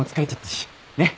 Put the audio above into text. ねっ。